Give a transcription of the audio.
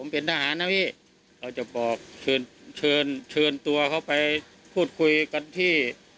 เป็นทหารนะพี่เราจะบอกเชิญเชิญเชิญตัวเขาไปพูดคุยกันที่